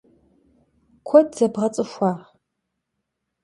Kued zebğets'ıxua?